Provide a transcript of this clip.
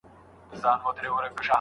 موږ تمثیلي خطبه بې هدفه نه ده جوړه کړې.